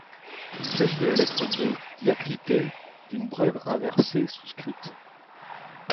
Il s'agit de la lettre B diacritée d'une brève inversée souscrite.